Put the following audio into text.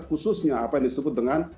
khususnya apa yang disebut dengan